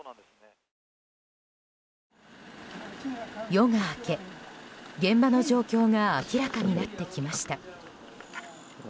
夜が明け、現場の状況が明らかになってきました。